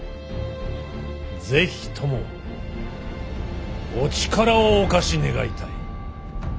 是非ともお力をお貸し願いたい。